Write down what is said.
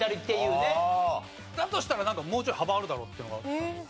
だとしたらなんかもうちょい幅あるだろうっていうのが。